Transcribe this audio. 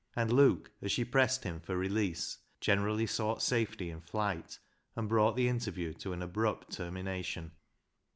and Luke, as she pressed him for release, generally sought safety in flight, and brought the interview to an abrupt termination.